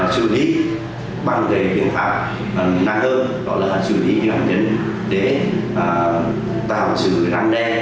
xử lý bằng biện pháp năng hơn đó là xử lý biện pháp nhất để tạo trừ răng đe